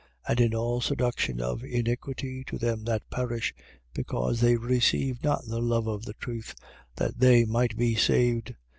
And in all seduction of iniquity to them that perish: because they receive not the love of the truth, that they might be saved.